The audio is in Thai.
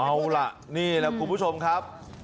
เอาล่ะนี่แหละคุณผู้ชมครับ